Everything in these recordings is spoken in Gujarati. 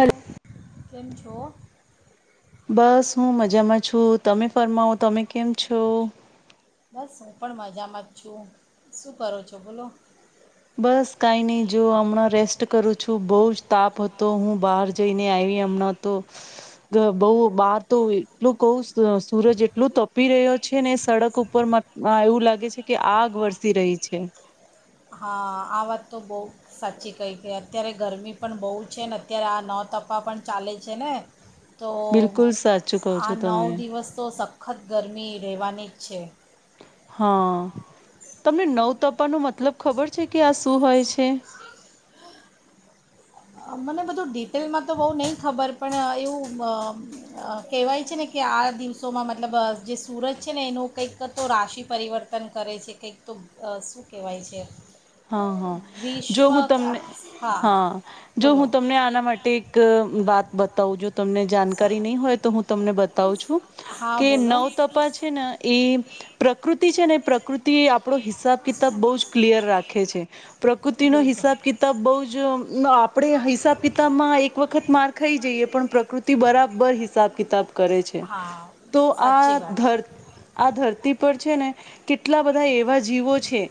હલો કેમ છો? બસ હું મજામાં છું. તમે ફરમાવો તમે કેમ છો? બસ હું પણ મજામાં જ છું. શું કરો છો બોલો? બસ કઈ નહી જો હમણાં રેસ્ટ કરું છું. બહુ જ તાપ હતો હું બહાર જઈને આવી હમણાં તો બહુ બહાર તો એટલું કહ સૂરજ એટલું તપી રહ્યો છે ને સડક ઉપર એવું લાગે છે કે આગ વરસી રહી છે. હા આ વાત તો બહુ સાચી કહી કે અત્યારે ગરમી પણ બહુ છે ને અત્યારે આ નતફા પણ ચાલે છે ને. તો બિલકુલ સાચું કહો આ છો નવ તમે દિવસ તો સખત ગરમી રહેવાની. છે. હા તમને નવ તપાનો મતલબ ખબર છે કે આ શું હોય છે? મને બધું ડિટેલમાં તો બહુ નહીં ખબર પણ એવું કહેવાય છે ને કે આ દિવસોમાં મતલબ જે સુરજ છે, ને એનું કંઈક તો રાશિ પરિવર્તન કરે છે કંઈક તો શું કહેવાય છે. હા હા જો ગ્રીષ્મ હું તમને હા. જો બોલો હું તમને આના માટે એક વાત બતાવું જો તમને જાણકારી નહીં હોય તો હું તમને બતાવું છું હા કે બોલો નવ તપા છે ને એ. પ્રકૃતિ છે ને પ્રકૃ તે આપણો હિસાબ કિતાબ બહુ જ ક્લિયર રા ખે છે પ્રકૃતિ નો બિલકુલ હિસાબ કિતાબ બહ જ. આપણે હિસાબ કિતાબ માં એક વખત માર ખાઈ જઈએ પણ પ્રકૃતિ બરાબર હિસાબ. કિતાબ. કરે છે હા તો સાચી આ વાત ધર આ ધરતી છે ને કેટલા બધા એવા જીવો છે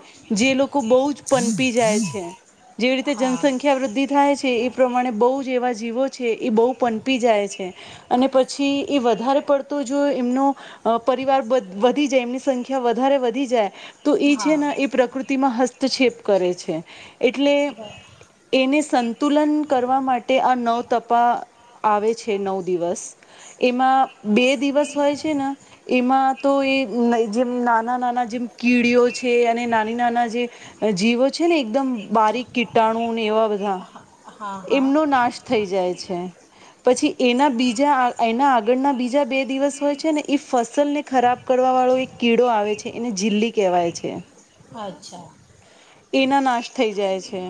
જે લોકો બ પનપી જાય છે જેવી રીતે હા જનસંખ્યા વૃદ્ધિ થાય છ એ પ્રમાણે બહુ જેવા જીવો છે એ બહુ પનપી જાય છે, અને પછી એ વધારે પડતો જો એમનો પરિવાર વધી જાય એમની સંખ્યા વધારે વધી જાય. તો એ છે હા ને એ પ્રકૃતિમાં હત ક્ષપ કરે છે એટલે બ- એને સંતુલન કરવા માટે આ નવ તપા આવે છે નવ દિવસ એમાં બે દિવસ હોય છે, ને એમાં તો એ જેમ નાના નાના જેમ કિ કીડીઓ છે અને નાની નાના જે. જીવો છે ને એકદમ બારીક કીટાણુ ને એવા બધા. હા હા એમનો નાશ થઈ જાય છે પછી એના બીજા એના આગળના બીજા બે દિવસ હોય છે, ને એ ફસલ ને ખરાબ કરવા વાળો એક કીડો આવે છે એને જીલી કહેવાય છે. આચ્છા. એના નાશ થઈ જાય છે,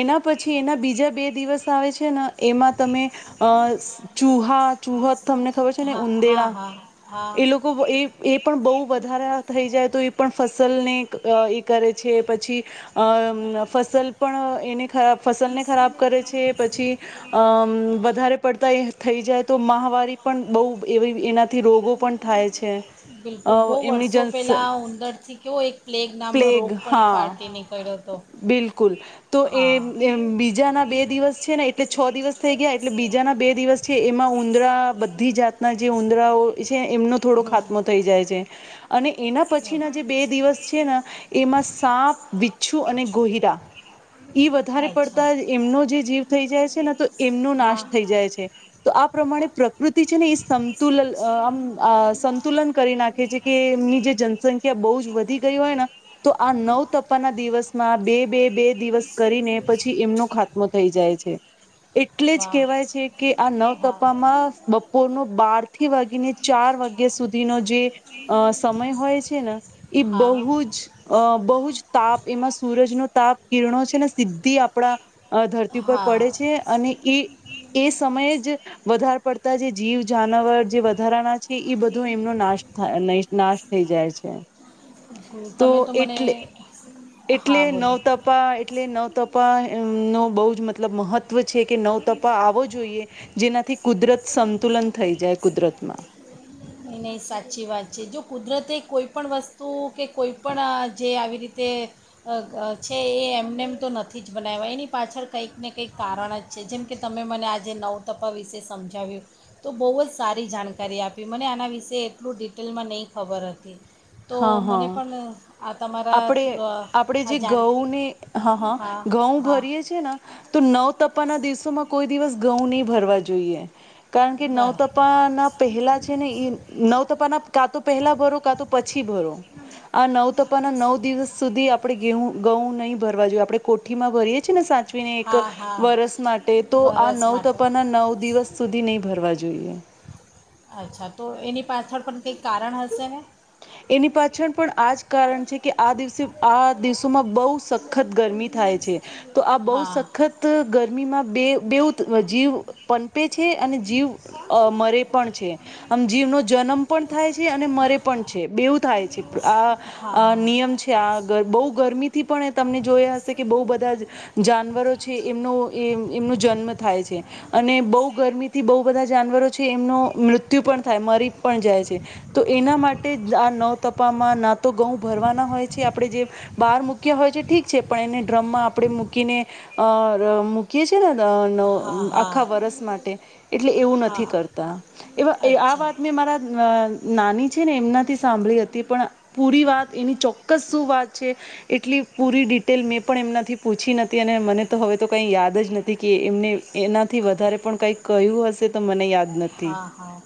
એના પછી એના બીજા બે દિવસ આવે છે ના એમાં તમે અહ સ ચૂહા, ચુહા તમને ખબર છે ને હા હા ઉંદેરા હા હા એ લોકો વ એ એ પણ બહુ વધારા થઈ જાય તો એ પણ ફસલ ને એક અહ એક કરે છે. પછી અમ્મ ફસલ પણ એને ખરા ફસલ ને ખરાબ કરે છે, પછી અમ્મ વધારે પડતા એ થઈ જાય તો માહ રી પણ બહું એવી એનાથી રોગો થાય છે, બિલકુલ અહ બહુ એમની વર્ષો જનસ, પહેલાં ઉંદરથી કેવો એક પ્લેગ નામનો રોગ પલેગ પણ હા ફાટી નીકળ્યો હતો બિલકુલ, તો એ હા જેમ બીજાના બે દિવસ છે ને એટલે છ દિવસ થઈ ગયા એટલે બીજાના બે દિવસ છે એમાં ઊંદરા બધી જાતના જે ઉંદરાઓ છે એમનો થોડો હમ ખાતમો થઈ જાય છે, અને એના પછી ના જે બે દિવસ છે ના એમાં સાપ, વિચ્છુ અને ગોહિરા ઈ વધારે અચ્છા પડતા જ એમનો જે જીવ થઈ જાય છે ને તો એમનો નાશ હા થઈ જાય છે, તો આ પ્રમાણે પ્રકૃતિ છે ને સમતુલન અહ આમ અહ સંતુલન કરી નાખે છે કે એમની જે જનસંખ્યા બહુ જ વધી ગઈ હોય ના, તો આ નવ તપાના દિવસમાં બે-બે-બે દિવસ કરીને પછી એમનો ખાત્મો થઈ જાય છે, એટલે જ વાહ કહેવાય છે કે આ નવ હા તપામાં બ કોનો બાર થી વાગીને ચાર વાગ્યા સુધીનો જે અહ સમય હોય છે ના, એ હા બહુ જ, અહ બહુ જ તાપ એમાં સૂરજનો તાપ કિરણો છે ને સીધી આપણા ધરતી પર હા પડે છે, અને એ એ એ સમયે જ વધારે પડતા જે જીવ, જાનવર જે વધારાના પછી ઈ બધું એમનો નાશ થાય નય નાશ થઈ જાય છે હમ, તો તમે મને એટલે હા એટલે બોલો નવતપા એટલે નવતપા બહુ જ મતલબ મહ ત્ત્વ છે કે નવ તપા આવો જોઈએ. જેનાથી કુદરત સંતુલન થઈ જાય. કુદરતમાં નય નય સાચી વાત. છે જો કુદરતે કોઈ પણ વસ્તુ કે કોઈ પણ અ જે આવી રીતે અ અ છે એ એમ નેમ તો નથી જ બનાયવા એની પાછળ કંઈક ને કંઈક કારણ જ છે જેમ કે તમે મને આજે નવતપા વિશે સમજાવ્યું. તો બહુ જ સારી જાણકારી આપી મને આના વિશે એટલું ડિટેલમાં નહીં ખબર હતી. તો હા મને હા, પણ આ તમારા આપણે અ, આપડે આ જે જાણ ઘઉંને, હા હા, ઘઉં ભરીએ છે ને તો નવ ત તાના દિવસોમાં કોઈ દિવસ ઘઉં નહી ભરવા જોઈએ. કારણ કે બરાબર નવતપા ના પહેલા છે ને એ નવતપાના કા તો પહેલા ભરો કા તો થી ભરો. આ નવતપાના નવ દિવસ સુધી આપડે ગેઉ ઘઉં નહી ભરવા જોઈએ. આપડે કોઠીમાં ભરીએ છીએ ને સાચ ચવીને એક હા હા વરસ માટે તો આ વરસ માટે નવતપાના નવ દિવસ સુધી નહી ભરવા જોઈએ. અચ્છા તો એની પાછળ પણ કંઈક કારણ હશે ને? એની પાછળ પણ આજ કારણ છે કે આ દિવસે આ દિવસોમાં બવ સખત ગરમી થાય છે. તો આ બવ હા સખત ગરમીમાં બે બેવ જીવ પનપે છે અને જીવ અ મરે પણ છે આમ જીવનો જન્મ પણ થાય છે અને મરે પણ બેવું થાય છે આ હા નિયમ છે આ બહ ગરમીથી પણ જોયા હશે કે બહુ બધા જાનવરો છે એમનો એમનો જન્મ થાય છે, અને બહુ ગરમીથી બહુ બધા જાનવરો છે એમનો મૃત્યુ પણ થાય મરી પણ જાય છે તો એના મા આ ન તપામાં ના તો ઘઉં ભરવાના હોય છે આપડણે જે બહાર મૂક્યા હોય છે ઠીક છે પણ એને ડ્રમમાં આપણે મૂકીને અ મૂકીએ છે ને. હા હા આખા વર્સ માટે એટલે એવું નથી હા કરતા એ આ અચ્છા વાત મેં મારા નાની છે ને એમનાથી સાંભળી હતી પણ પૂરી વાત એની ચોક્કસ શું વાત છે, એટલી પૂરી ડિટેલ મેં પણ એમનાથી પૂછી નથી અને મને તો હવે તો કઈ યાદ જ નથી કે એમને એનાથી વધારે પણ કઈ કહ્યું હશે. તો મને યાદ નથી હા હા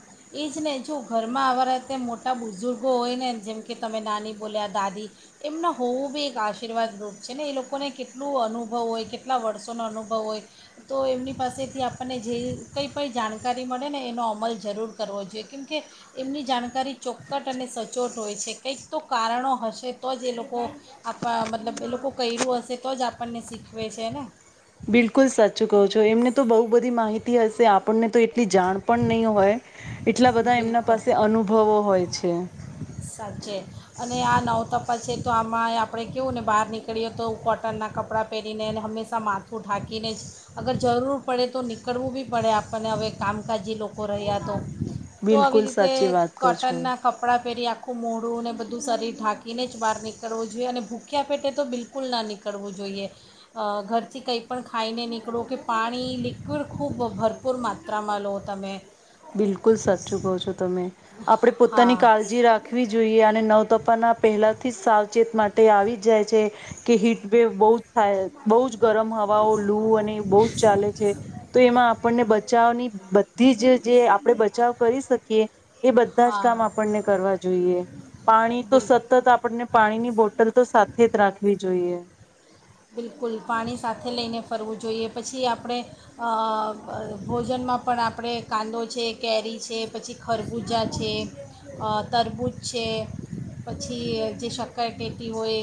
એજ ને જો ઘરમાં આવવારા. તે મોટા બુઝુર્ગો હોય નેને જેમ કે તમે નાની બોલ્યા દાદી એમના હોવું બી એક આશીર્વાદ રૂપ છે, ને એ લોકોને કેટલું અનુભવ હોય કેટલા વર્ષોનો અનુભવ હોય તો એમની પાસેથી આપણને જે કંઈ પણઈ જાણ. જાણકારી મળે ને એનો અમલ જરૂર કરવો જોઈએ, કેમ કે એમની જાણકા કરી ચોક્કટ અને સચોટ હોય છે કંઈક તો કારણો હશે તો જ એ લોકો મતલબ એ લોકો કર્યું હશે તો જ આપણને શીખવે છે ને. બિલકુલ સાચું કહો છો એમને તો બહુ બધી માહિતી હશે આપણને તો એટલી જાણ પણ નહી હોય. એટલા બધા એમના બિલકુલ પાસે અનુભવો હોય છે. સાંજે અને આ નવ ત પછી તો આમાં આપણે કહવું ને બહાર નીકળીએ તો, કોટનનાં કપડાં પહેરીનેને હંમેશા માથું ઢાંકીને જ અગર જરૂર પડે તો નીકળવું બી પડે આપણને હવે કામકાજી લોકો રહ્યા તો. તો આવી બિલકુલ રીતે સાચી વાત કહો છો કોટનના કપડા પેરી આખું મોડું ને બધું શરીર ઢાંકીને જ બહાર નીકળવું જોઈએ અને ભૂખ્યા પેટે તો બિલકુલ ના નીકળવું જોઈએ. ઘરથી કંઈ પણ ખાઈને નીકળો કે પાણી લિક્વિડ ખૂબ ભરપૂર માત્રામાં લો, તમે. બિલકુલ સાચું કહો છો તમે. આપડે હા પોતાની કાળજી રાખ ખવી જોઈએ અને નવ તોફાના પહેલાથી જ સાવ ચેત માટે આવી જાય છે. કે હીટવેવ બોજ થા બોજ ગરમ હવાઓ, લુ અને બોજ ચાલે છે, તો એમાં આપણને બચાવની બધીજ. જે આપડે બચાવ કરી શકીએ એ બધાજ હા કામ આપણને કરવા જોઈએ. પાણી તો બિલકુલ સતત આપણને પાણીની બોટલ તો સાથેજ રાખ વી જોઈએ. બિલકુલ, પાણી સાથે લઈને ફરવું જોઈએ, પછી આપણે ભોજનમાં પણ આપણે કાંદો છે, કેરી છે, પછી ખરબૂજા છે, તરબૂજ છે, પછી જે શક્કર કહેતી હોય,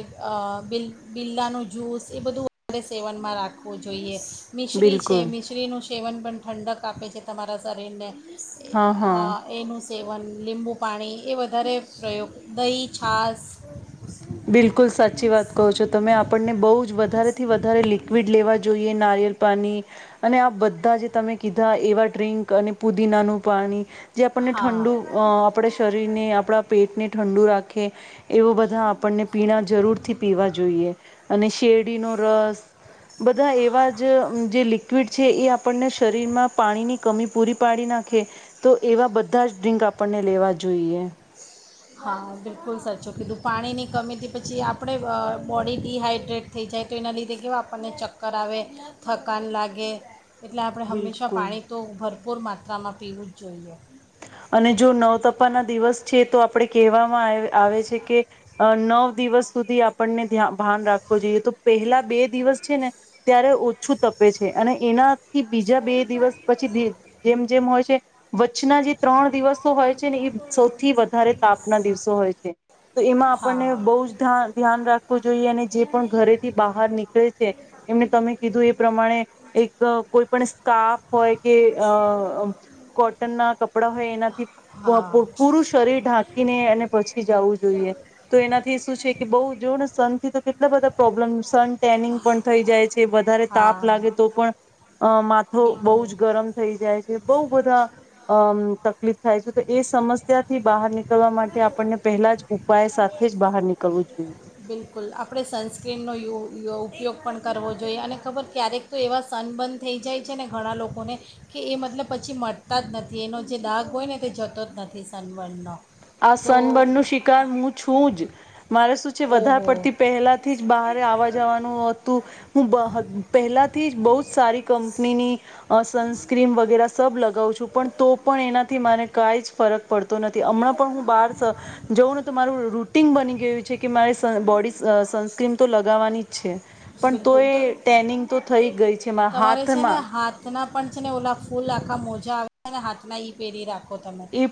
બ બિરલાનું જ્યૂસ એ બધું આપણે સેવનમાં રાખવું જોઈએ મિશ્રી છે, બિલકુલ મિશ્રીનું સેવન પણ ઠંડક આપે છે, તમારા શરીરને હા હા આ એનું સેવન, લીંબુ પાણી એ વધારે પ્રયોગ, દહીં છાસ. બિલકુલ સચ છી વાત કરો છો તમે આપણને બહુજ વધારે થી વધારે લિક્વિડ લેવા જોઈએ નારિયેલ પાણી અને આ બધા જે તમે કીધા એવા ડ્ર્રીંક અને પુદીનાનું પાણી જે આપણને હા ઠંડુ આહ આપણે શરીરને આપણા પેટને ઠંડુ રાખ કે એવું બ પણને પીણા જરૂર થી પીવા જોઈએ. અને શેરડીનો રસ બધા એવા જ જે લિક્વિડ છે એ આપણને શરીરમાં પાણીની કમી પૂરી પાડી નાખે તો એવા બધા જ ડ્રિંક આપણને લેવા જોઈએ. હા, બિલકુલ સાચું કીધું. પાણીની કમીથી પછી આપણે આહ બોડી ડીહાઈડ્રેટ થઈ જાય તો એના લીધે કેવા આપણને ચક્કર આવે થકાન લાગે. એટલે આપણે હંમેશા બિલકુલ પાણી તો ભર પૂર માત્રામાં પીવું જ જોઈએ. અને જો નવ તપાના દિવસ છે તો આપણે કહેવામાં આવે આવે છે કે અહ નવ દિવસ સુધી આપણને ધ્યાન ભાન રાખવું જોઈએ. તો પહેલા બે દિવસ છે ને ત્યારે ઓછું તપે છે અને એના થી બીજા બે દિવસ પછી ભી જેમ જેમ હોય છે વચના જે ત્રણ દિવ તો હોય છે ને, એ સૌથી વધારે તાપના દિવસો હોય છે. તો એમાં આપણને હા બહુજ ધ્યા-ધ્યાન રાખવું જોઈએ, અને જે પણ ઘરેથી બહાર નીકળે છે, એમને તમે કીધું એ પ્રમાણે એક તો કોઈ પણ સ કાઆફ હોય કે અહ અમ્મ કોટન ના કપ કપડાં હોય એનાથી હા પ પૂરું શરીર ઢાંકીને અને પછી જવું જોઈએ, તો એનાથી શું છે કે બહ જો પણ સન થી તો કેટલા બધા પ્રોબ્લેમ સન ટેનિંગ પણ થઈ જાય છે. તે વધારે હા તાપ લાગે તો પણ અ માથું બહુ બિલકુલ જ ગરમ થઈ જાય છે. એ બઉ બધાં અ તકલીફ થાય છે, તો એ સમસ્યાથી બહાર, નીકળવા માટે આપણને પહેલા જ ઉપાય સાથે જ બહાર નીકળવું, જોઈએ. બિલકુલ આપણે સનસ્ક્રીનનો, યુ ઉપયોગ પણ કરવો જોઈએ, અને ખબર ક્યારેક તો એવા સનબર્ન થઈ જાય છે, ને ઘણા લોકોને કે એ મતલબ પછી મટતા જ નથી, એનો જે દાગ હોય ને તે જતો જ નથી સનબર્નમાં આ સનબર્ડ, નું શિકાર હું છું જ મારે શું છે, વધારે ઓહો પડતી પહેલાથી જ બહારે આવવા જવાનું, હતું હું પહેલાં. થી બહુજ સારી કંપનીની સનસ્ક્રીમ વગેરે સબ લગાવ છું, પણ તો પણ એનાથી મને કાઈ જ ફરક પડતો નથી. હમણાં પણ હું, બહાર જઉં ને તો મારું રૂટીન બની ગયું છે, કે મારે સ બોડી સનસ્ક્રીન, તો લગાવવાની જ છે. પણ બિલકુલ, એ તો ટેનિંગ તો થઈ ગઈ છે મારા તમારે છેને, હાથમાં હાથનાં પણ છેને, ઓલા ફૂલ આખા મોજા આવે, ને હાથના ઈ પેરી રાખ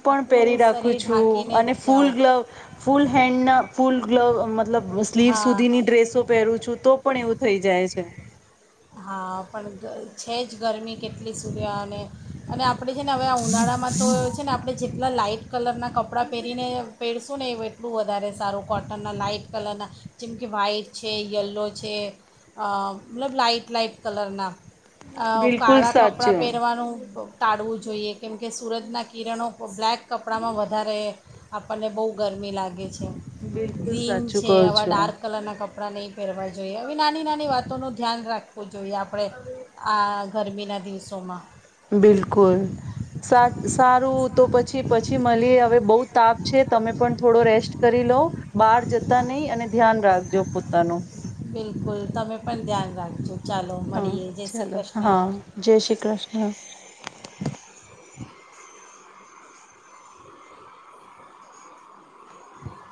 પણ પહેરી રાખું છું, જ અને ફૂલ જાઓ ગ્લવ ફૂલ હેન્ડના ફૂલ ગ્ મતલબ હું, સ્લીવ હા સુધીની ડ્રેસો પહેરું છું, તો પણ એવું, થઈ જાય છે. હાં પણ છે, જ ગરમી કેટલી સૂર્યા અને અને આપણે છેને, હવે આ ઉનાળામાં તો એ છેને, આપણે જેટલા લાાઈટ કલરનાં કપડાં પહેરીને પહેરશું ને એ એટલું વધારે સારું કોટનના લાાઈટ કલરના જેમ કે વ્હાઈટ છે, યલો છે, મતલબ લાાઈટ લાઇપ, કલર ના અ બિલકુલ કાળા કપડાં સાચું પહેરવાનું ટાળવું જોઈએ, કેમ કે સુરતના કિરણો બ્લેક કપડાંમાં વધારે આપણને, બહુ ગરમી લાગે છે. બિલકુલ ગ્રીન સાચું, છે કહ આવા છું. ડાર્ક કલરના કપડાં નહીં, પહેરવા જોઈએ, આવીવે નાની નાની વાતોનું ધ્યાન રાખે આપવું જોઈએ, આપણે આ ગરમીના દિવસોમાં. બિલકુલ સારું તો પછી પછી મળી હવે - બઉુ તાપ છે, તમે પણ થોડો રેસ્ટ કરી લો. બહાર જતા, નહી‌ અને- ધ્યાન, રાખજો પોતાનું. બિલકુલ, તમે પણ ધ્યાન રાખજો. ચાલો હા મળીએ જય શ્રી ચાલો, હા કૃષ્ણ જય શ્રી કૃષ્ણ. [inaudible]